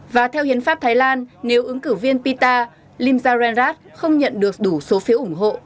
và theo hiến pháp thái lan nếu ứng cử viên pita limsarenraad không nhận được đủ số phiếu ủng hộ